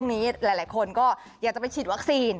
นี้หลายคนก็อยากจะไปฉีดวัคซีน